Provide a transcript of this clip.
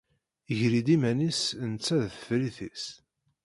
Igerri-d iman-is netta d tefrit-is.